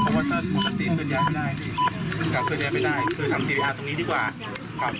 กลับเครื่องเรียนไปได้คือทำสิทธิภาพตรงนี้ดีกว่าครับ